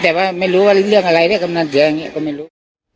แต่ว่าไม่รู้ว่าเรื่องอะไรเรียกกำนันเสืออย่างนี้ก็ไม่รู้